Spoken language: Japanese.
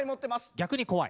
逆に怖い。